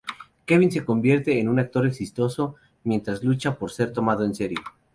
Kevin se convierte en un actor exitoso mientras lucha por ser tomado en serio.